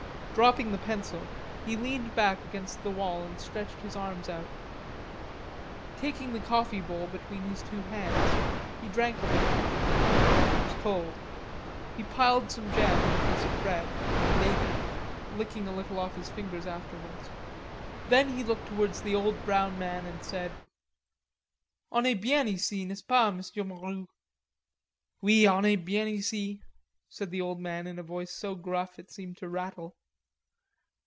Dropping the pencil, he leaned back against the wall and stretched his arms out. Taking the coffee bowl between his two hands, he drank s little. It was cold. He piled some jam on a piece of bread and ate it, licking a little off his fingers afterwards. Then he looked towards the old brown man and said: "On est bien ici, n'est ce pas, Monsieur Morue?" "Oui, on est bien ici," said the old brown man in a voice so gruff it seemed to rattle.